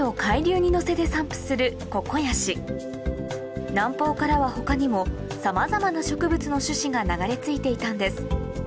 ココヤシ南方からは他にもさまざまな植物の種子が流れ着いていたんです